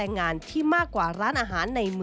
เป็นอย่างไรนั้นติดตามจากรายงานของคุณอัญชาฬีฟรีมั่วครับ